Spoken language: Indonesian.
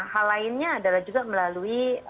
hal lainnya adalah juga melalui